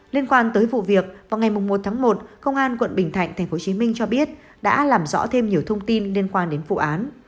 liên quan tới vụ việc vào ngày một tháng một công an quận bình thạnh tp hcm cho biết đã làm rõ thêm nhiều thông tin liên quan đến vụ án